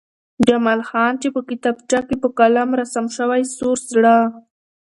جمال خان چې په کتابچه کې په قلم رسم شوی سور زړه